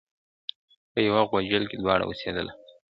په یوه غوجل کي دواړه اوسېدله !.